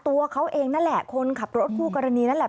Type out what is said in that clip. ตัวเขาเองนั่นแหละคนขับรถคู่กรณีนั่นแหละ